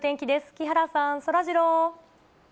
木原さん、そらジロー。